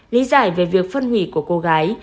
từ khi nạn nhân phân hủy của cô gái